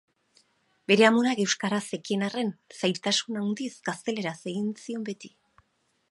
Bere amonak euskaraz zekien arren, zailtasun handiz gazteleraz egin zion beti.